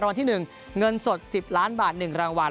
วันที่๑เงินสด๑๐ล้านบาท๑รางวัล